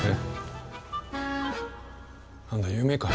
何だ夢か。